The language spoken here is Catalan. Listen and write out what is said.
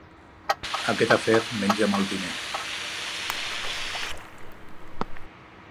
Aquest afer menja molt diner.